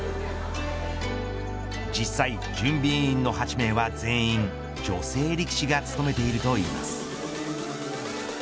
実際、準備委員の８人は全員女性力士が務めているといいます。